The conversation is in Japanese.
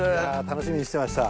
楽しみにしてました。